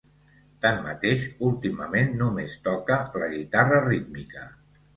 Tanmateix, últimament només toca la guitarra rítmica.